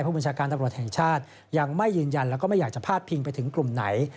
ผู้บัญชาการตำรวจแห่งชาติยังไม่ยืนยันแล้วก็ไม่อยากจะพาดพิงไปถึงกลุ่มไหน